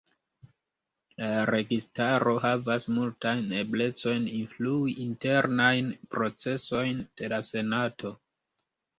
La registaro havas multajn eblecojn influi internajn procesojn de la senato.